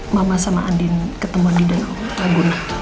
mama sama andin ketemu andin dan ong